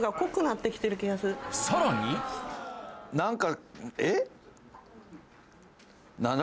さらに何だ？